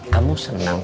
kamu senang kan